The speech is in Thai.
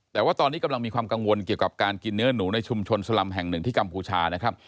แต่ว่าตอนนี้กำลังมีความกังวลเกี่ยวกับการกินเนื้อหนูในชุมชนสลำแห่งหนึ่งที่กัมพูชานะครับ